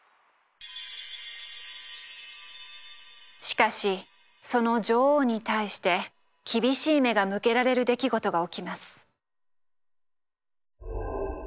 しかしその女王に対して厳しい目が向けられる出来事が起きます。